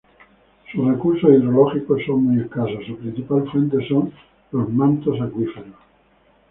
Sus recursos hidrológicos son muy escasos, su principal fuente son los mantos acuíferos.